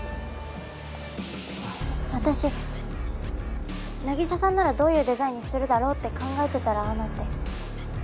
私凪沙さんならどういうデザインにするだろうって考えてたらああなって。